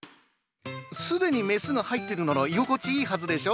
既にメスが入ってるなら居心地いいはずでしょ？